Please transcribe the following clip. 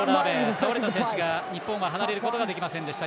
倒れた選手が日本は離れることができませんでした。